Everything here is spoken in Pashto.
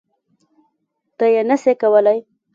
ته یی نه سی کولای